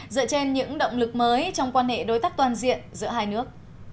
dựa trên những động lực mới trong quan hệ đối tác toàn diện giữa hai nước